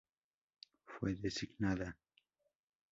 Fue designada N°.